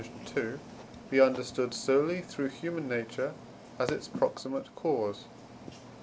be understood solely through human nature as its proximate cause.